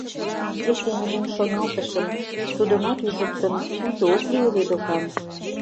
Шке семынем шоналтышым: тудымат ӱжыт гын, уто ок лий ыле докан.